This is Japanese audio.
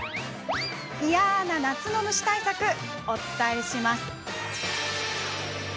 嫌な夏の虫対策、お伝えします。